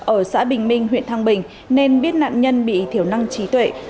ở xã bình minh huyện thăng bình nên biết nạn nhân bị thiểu năng trí tuệ